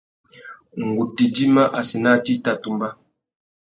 Ngu tà idjima assênatê i tà tumba.